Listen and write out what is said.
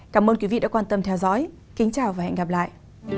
cảm ơn quý vị đã quan tâm theo dõi kính chào và hẹn gặp lại